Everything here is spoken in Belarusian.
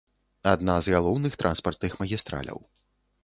Адна з галоўных транспартных магістраляў.